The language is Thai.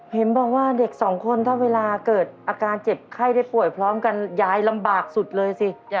เห็นบอกว่าเด็กสองคนถ้าเวลาเกิดอาการเจ็บไข้ได้ป่วยพร้อมกันยายลำบากสุดเลยสิ